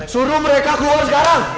suruh mereka keluar sekarang